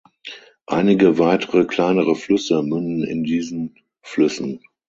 Einige weitere kleinere Flüsse münden in diesen Flüssen.